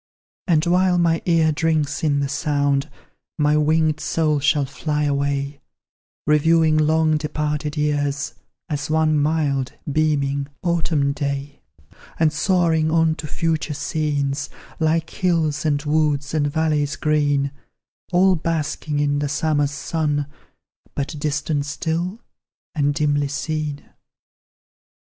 And while my ear drinks in the sound, My winged soul shall fly away; Reviewing lone departed years As one mild, beaming, autumn day; And soaring on to future scenes, Like hills and woods, and valleys green, All basking in the summer's sun, But distant still, and dimly seen.